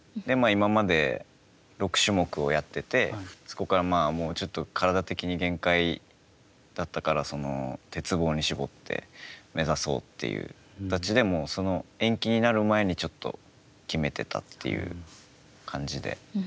今まで６種目をやっててそこから体的に限界だったから鉄棒に絞って目指そうという形で延期になる前に決めてたという感じで。